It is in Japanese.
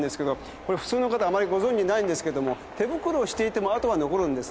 これ普通の方あまりご存じないんですけども手袋をしていても跡は残るんです。